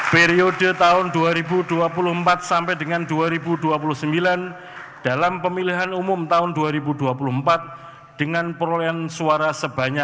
periode tahun dua ribu dua puluh empat sampai dengan dua ribu dua puluh sembilan dalam pemilihan umum tahun dua ribu dua puluh empat dengan perolehan suara sebanyak